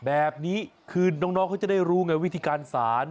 แบบนี้คือน้องเขาจะได้รู้ไงวิธีการสาร